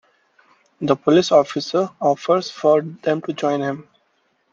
The police officer offers for them to join him.